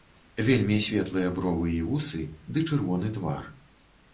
Вельмі светлыя бровы і вусы ды чырвоны твар.